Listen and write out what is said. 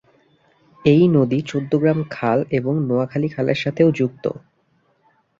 এই নদী চৌদ্দগ্রাম খাল এবং নোয়াখালী খালের সাথেও যুক্ত।